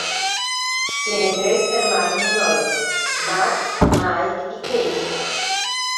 Tiene tres hermanos menores, Matt, Mike y Katie.